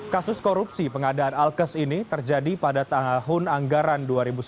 kasus korupsi pengadaan alkes ini terjadi pada tahun anggaran dua ribu sebelas dua ribu dua belas